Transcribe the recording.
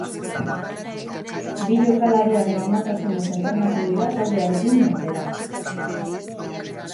Bi jokalariak normaltasunez entrenatu dira taldearekin batera.